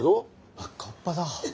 あっ河童だ。